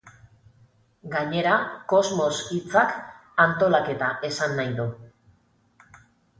Gainera, kosmos hitzak, antolaketa esan nahi du.